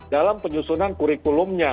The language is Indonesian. dalam penyusunan kurikulumnya